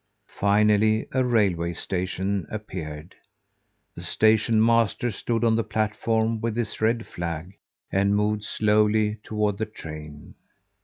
Finally a railway station appeared. The station master stood on the platform with his red flag, and moved slowly toward the train.